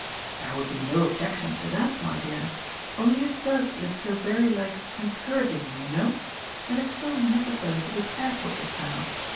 "There would be no objection to that, my dear. Only it does look so very like encouraging him, you know. And it's so necessary to be careful just now.